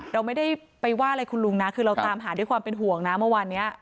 เราไม่ได้ไปว่าอะไรคุณลุงนะคือเราตามหาด้วยความเป็นห่วงนะเมื่อวานนี้